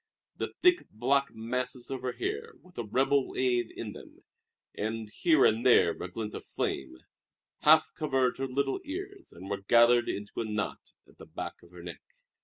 The thick black masses of her hair, with a rebel wave in them, and here and there a glint of flame, half covered her little ears and were gathered into a knot at the back of her neck.